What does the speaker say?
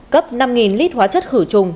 cấp năm lít hóa chất khử trùng